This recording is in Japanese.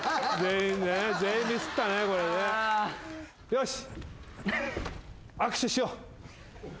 よし。